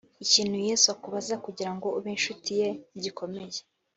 Ikintu Yesu akubaza kugira ngo ube inshuti ye ntigikomeye